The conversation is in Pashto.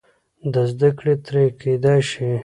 زده کړه ترې کېدای شي.